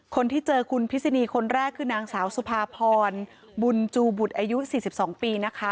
คนที่เจอคุณพิษณีคนแรกคือนางสาวสุภาพรบุญจูบุตรอายุ๔๒ปีนะคะ